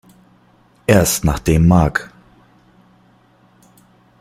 Erst nachdem Mag.